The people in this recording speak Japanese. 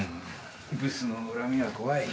ブスの恨みは怖い。